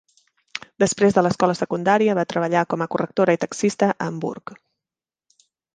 Després de l'escola secundària, va treballar com a correctora i taxista a Hamburg.